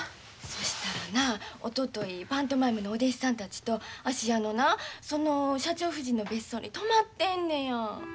そしたらなおとといパントマイムのお弟子さんたちと芦屋のなその社長夫人の別荘に泊まってんねや。